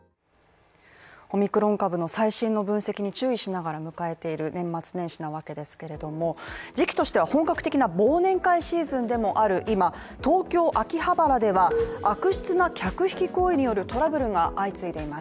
オミクロン株の最新の分析に注意しながら迎えている年末年始のわけですけれども、時期としては本格的な忘年会シーズンでもある今、東京・秋葉原では悪質な客引き行為によるトラブルが相次いでいます。